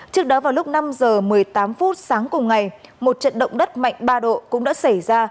trước đó vào lúc năm h một mươi tám phút sáng cùng ngày một trận động đất mạnh ba độ cũng đã xảy ra